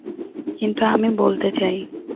কিন্তু আমি বলতে চাই।